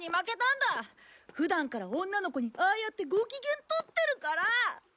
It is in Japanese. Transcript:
普段から女の子にああやってご機嫌とってるから！